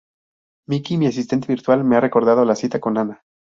Miki mi asistente virtual me ha recordado la cita con Ana